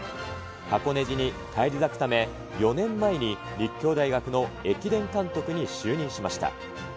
箱根路に返り咲くため、４年前に立教大学の駅伝監督に就任しました。